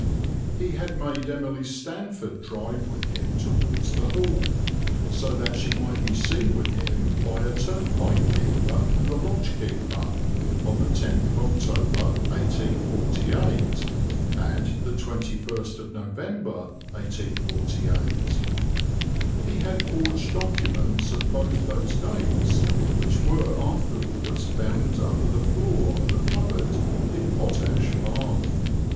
He had made Emily Stanford drive with him towards the Hall, so that she might be seen with him by a turnpike keeper and the lodge keeper, on the 10th of October, 1848, and the 21st of November, 1848. He had forged documents of both those dates, which were afterwards found under the floor of a cupboard in Potash Farm.